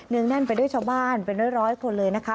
นึงแน่นไปด้วยชาวบ้านไปด้วย๑๐๐คนเลยนะคะ